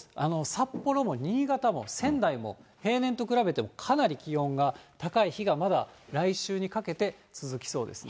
札幌も新潟も仙台も、平年と比べてもかなり気温が高い日がまだ来週にかけて続きそ